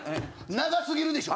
長すぎるでしょ。